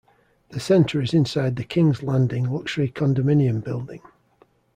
The centre is inside the King's Landing luxury condominium building.